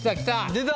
出た。